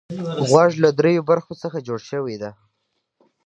غوږ له دریو برخو څخه جوړ شوی دی.